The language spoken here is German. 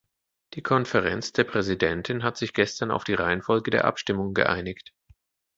Die Konferenz der Präsidenten hat sich gestern auf die Reihenfolge der Abstimmung geeinigt.